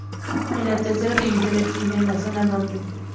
En la Tercera división de Chile, en la Zona norte.